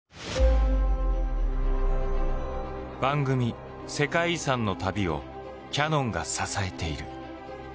番組「世界遺産」の旅をキヤノンが支えている。